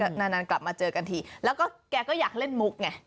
นานกลับมาเจอกันทีแล้วก็แกก็อยากเล่นมุกไง